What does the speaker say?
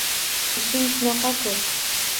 Ishim shunaqa-ku